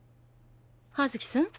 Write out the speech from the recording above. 葉月さん？